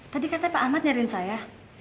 tadi katanya pak ahmad nyariin saya